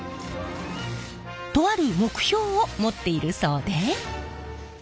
とある目標を持っているそうで。